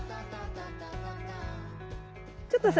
ちょっとさ